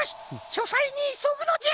しょさいにいそぐのじゃ！